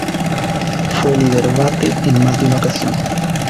Fue líder bate en más de una ocasión.